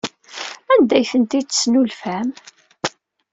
Anda ay ten-id-tesnulfam?